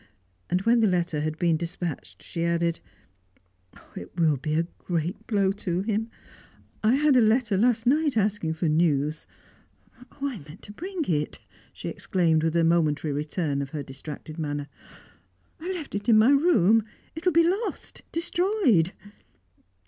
And, when the letter had been despatched, she added, "It will be a great blow to him. I had a letter last night asking for news Oh, I meant to bring it!" she exclaimed, with a momentary return of her distracted manner. "I left it in my room. It will be lost destroyed!"